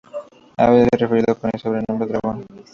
A veces es referido con el sobrenombre "Dragon".